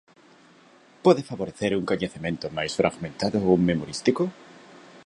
Pode favorecer un coñecemento máis fragmentado ou memorístico?